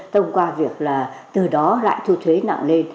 thông qua việc là từ đó lại thu thuế nặng lên